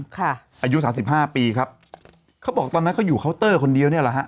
อายุสามสิบห้าปีครับเขาบอกตอนนั้นเขาอยู่เคาน์เตอร์คนเดียวเนี่ยแหละฮะ